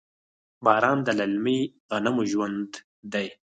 باران د للمي غنمو ژوند دی.